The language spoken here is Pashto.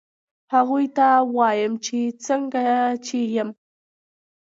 هغوی ته وایم چې څنګه چې یم